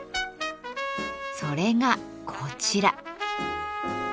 これがこちら。